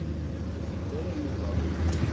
Ur d-ufint ara Yuba.